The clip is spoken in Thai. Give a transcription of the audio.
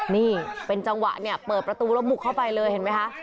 นี่เป็นจังหวะเนี่ยเปิดประตูแล้วบุกเข้าไปเลยเห็นไหมคะ